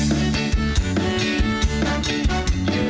มีโจทย์แปลกฟอร์มย้องมาตอนหนูหลับ